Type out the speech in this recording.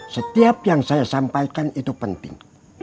setiap yang saya sampaikan itu penting